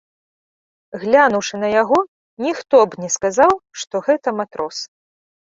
Глянуўшы на яго, ніхто б не сказаў, што гэта матрос.